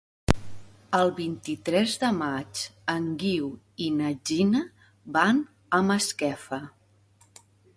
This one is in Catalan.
El vint-i-tres de maig en Guiu i na Gina van a Masquefa.